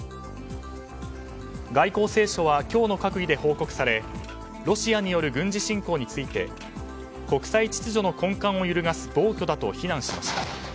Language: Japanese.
外交青書は今日の閣議で報告されロシアによる軍事侵攻について国際秩序の根幹を揺るがす暴挙だと非難しました。